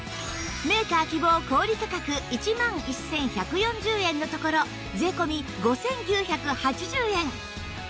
メーカー希望小売価格１万１１４０円のところ税込５９８０円